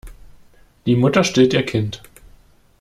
Die Mutter stillt ihr Kind.